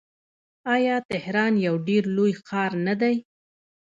آیا تهران یو ډیر لوی ښار نه دی؟